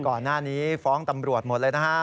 ก่อนหน้านี้ฟ้องตำรวจหมดเลยนะฮะ